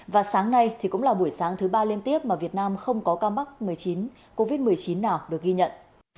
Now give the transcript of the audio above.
và sáng nay thì cũng là buổi sáng thứ ba liên tiếp mà việt nam không có ca mắc covid một mươi chín nào được ghi nhận